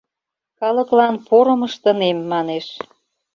Калыклан порым ыштынем, манеш.